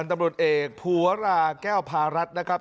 ตำรวจเอกภูวราแก้วพารัฐนะครับ